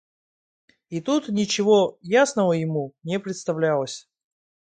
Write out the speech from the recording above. И тут ничего ясного ему не представлялось.